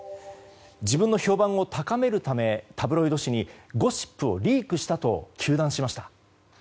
自分の評判を高めるためタブロイド紙にゴシップをリークしたと糾弾しました。